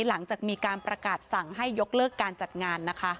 หลังจากมีการประกาศสั่งให้ยกเลิกการจัดงานนะคะ